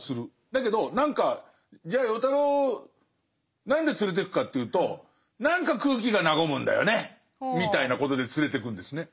だけど何かじゃあ与太郎何で連れてくかというと何か空気が和むんだよねみたいなことで連れてくんですね。